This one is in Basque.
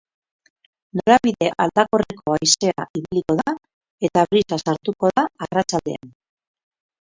Norabide aldakorreko haizea ibiliko da eta brisa sartuko da arratsaldean.